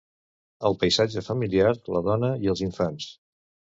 el paisatge familiar, la dona i els infants